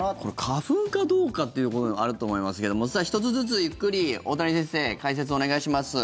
花粉かどうかということもあると思いますけども１つずつ、ゆっくり大谷先生、解説お願いします。